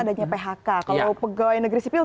adanya phk kalau pegawai negeri sipil